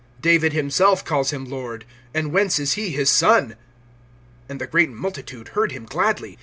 (37)David himself calls him Lord; and whence is he his son? And the great multitude heard him gladly.